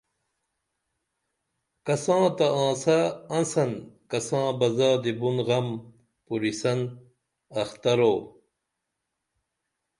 کساں تہ آنسہ انسن کساں بہ زادی بُن غم پوریسن اخترو